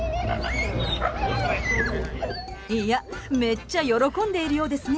いや、めっちゃ喜んでいるようですね。